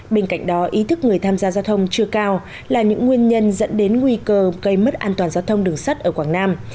bên cạnh đó ý thức người tham gia giao thông chưa cao là những nguyên nhân dẫn đến nguy cơ gây mất an toàn giao thông đường sắt ở quảng nam